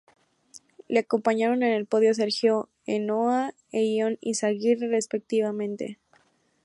Le acompañaron en el podio Sergio Henao e Ion Izagirre, respectivamente.